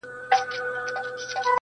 نه په غم کي د مېږیانو د غمونو؛